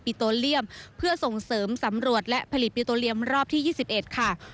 อิโตเลียมเพื่อส่งเสริมสำรวจและผลิตปิโตเรียมรอบที่๒๑ค่ะ